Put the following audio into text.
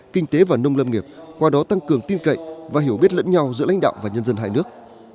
kinh tế và nông lâm nghiệp qua đó tăng cường tin cậy và hiểu biết lẫn nhau giữa lãnh đạo và nhân dân hai nước